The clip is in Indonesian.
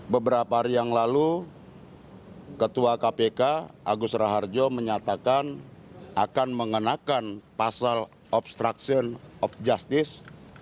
beberapa hari yang lalu ketua kpk agus raharjo menyatakan akan mengenakan pasal obstruction of justice